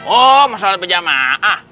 oh mau sholat berjamaah